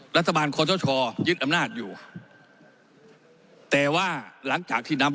รัฐบาลคอสชยึดอำนาจอยู่แต่ว่าหลังจากที่นำ